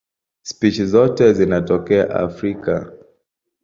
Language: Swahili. Spishi zote zinatokea Afrika.